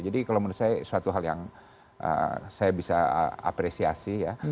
jadi kalau menurut saya suatu hal yang saya bisa apresiasi ya